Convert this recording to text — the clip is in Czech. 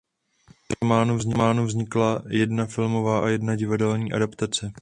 Z románu vznikla jedna filmová a jedna divadelní adaptace.